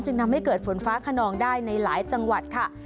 ทำให้เกิดฝนฟ้าขนองได้ในหลายจังหวัดค่ะ